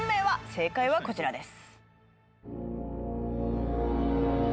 正解はこちらです。